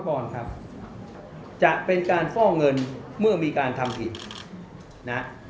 ก่อนครับจะเป็นการฟอกเงินเมื่อมีการทำผิดนะ